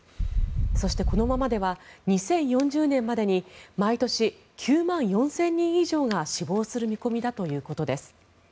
そして、このままでは２０４０年までに毎年９万４０００人以上が死亡する見込みだということです。